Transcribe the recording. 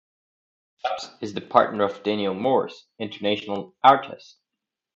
Stubbs is the partner of Danielle Morse, international artist.